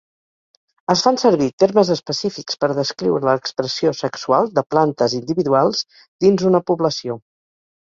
Es fan servir termes específics per descriure l'expressió sexual de plantes individuals dins una població.